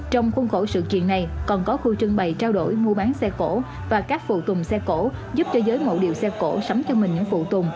trong khuôn khổ sự kiện này còn có khu trưng bày trao đổi mua bán xe cổ và các phụ tùng xe cổ giúp cho giới ngộ điệu xe cổ sắm cho mình những phụ tùng